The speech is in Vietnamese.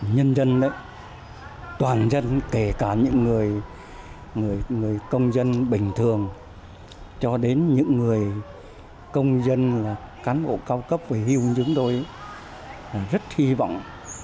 nhân dân toàn dân kể cả những người công dân bình thường cho đến những người công dân cán bộ cao cấp và hiệu dứng đối rất hy vọng